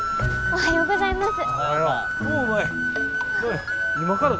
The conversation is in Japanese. おはようございます。